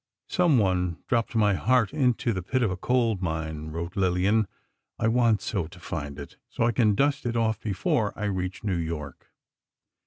"Someone dropped my heart into the pit of a coal mine," wrote Lillian. "I want so to find it, so I can dust it off before I reach New York."